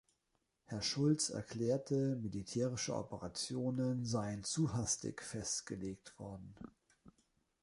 Herr Schulz erklärte, militärische Operationen seien zu hastig festgelegt worden.